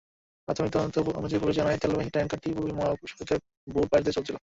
প্রাথমিক তদন্ত অনুযায়ী পুলিশ জানায়, তেলবাহী ট্যাংকারটি মহাসড়কের ভুল পাশ দিয়ে চলছিল।